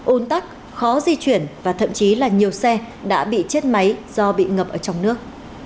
ôn tắc khó di chuyển và thậm chí là nhiều xe đã bị chết máy do bị ngập ở trong nước